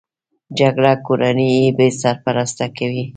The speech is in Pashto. جګړه کورنۍ بې سرپرسته کوي